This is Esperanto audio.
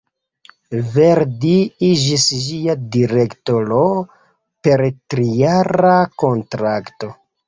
Verdi iĝis ĝia direktoro per trijara kontrakto.